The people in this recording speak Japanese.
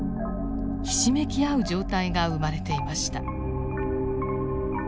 ひしめき合う状態が生まれていました。